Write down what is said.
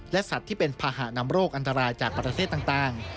และสัตว์ที่เป็นภาหะนำโรคอันตรายจากประเทศต่าง